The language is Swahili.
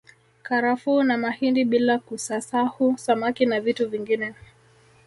Karafuu na mahindi bila kusasahu samaki na vitu vingine